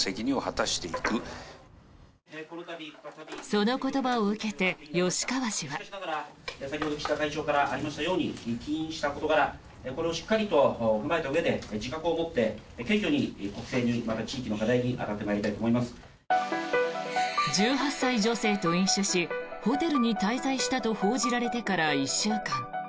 その言葉を受けて吉川氏は。１８歳女性と飲酒しホテルに滞在したと報じられてから１週間。